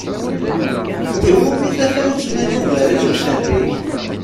Iwumi tafawett ma yugar-itt icerrig?